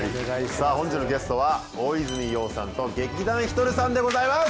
さあ本日のゲストは大泉洋さんと劇団ひとりさんでございます。